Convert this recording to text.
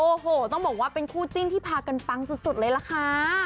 โอ้โหต้องบอกว่าเป็นคู่จิ้นที่พากันปังสุดเลยล่ะค่ะ